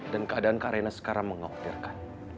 dan keadaan kak raina sekarang mengopirkan